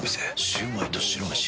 シュウマイと白めし。